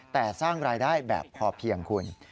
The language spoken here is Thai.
แต่สร้างรายได้แบบพอเพียงคุณ